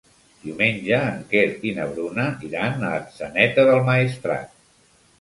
Diumenge en Quer i na Bruna iran a Atzeneta del Maestrat.